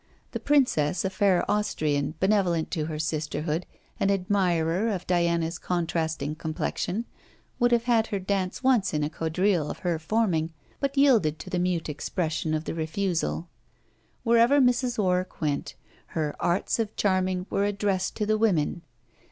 The princess, a fair Austrian, benevolent to her sisterhood, an admirer of Diana's contrasting complexion, would have had her dance once in a quadrille of her forming, but yielded to the mute expression of the refusal. Wherever Mrs. Warwick went, her arts of charming were addressed to the women.